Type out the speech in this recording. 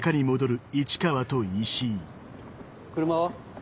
車は？